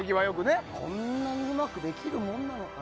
こんなにうまくできるものかな。